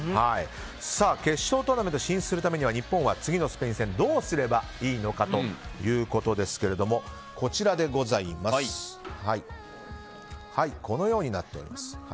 決勝トーナメント進出するためには日本は次のスペイン戦どうすればいいのかですけれどもこのようになっています。